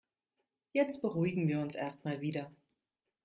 Jetzt beruhigen wir uns erst mal wieder.